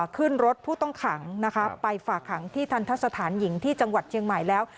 ขึ้นรถผู้ต้องขังนะคะไปฝากขังที่ทันทะสถานหญิงที่จังหวัดเชียงใหม่แล้ว